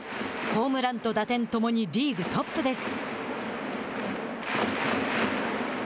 ホームランと打点ともにリーグトップです。